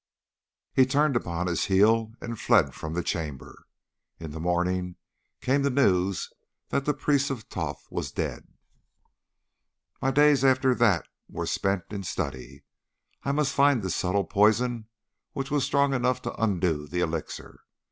He turned upon his heel and fled from the chamber. In the morning came the news that the Priest of Thoth was dead. "My days after that were spent in study. I must find this subtle poison which was strong enough to undo the elixir.